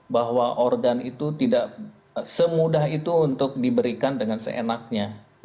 bahwa organ itu tidak semudah itu untuk diberikan dengan seenaknya